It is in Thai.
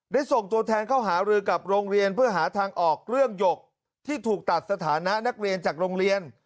ส่งตัวแทนเข้าหารือกับโรงเรียนเพื่อหาทางออกเรื่องหยกที่ถูกตัดสถานะนักเรียนจากโรงเรียน